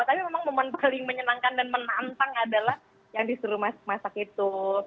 tapi memang momen paling menyenangkan dan menantang adalah yang disuruh masak itu